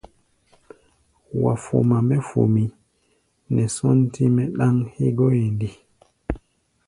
Wa foma mɛ́ fomí nɛ sɔ́ntí-mɛ́ ɗáŋ hégɔ́ʼɛ nde?